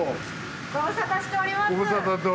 ご無沙汰しております。